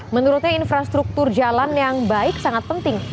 menurutnya infrastruktur jalan yang baik sangat penting